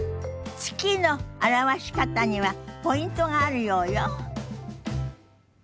「月」の表し方にはポイントがあるようよ。